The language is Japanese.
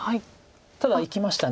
ただいきました。